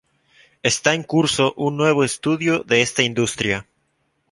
Está en curso un nuevo estudio de esta industria.